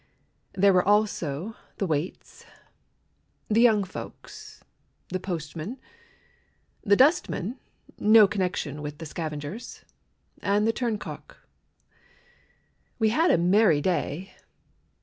There were also the waits, The young folks, The postman, The dustman (No connection with the scavengers), And the turncock. We had a merry day.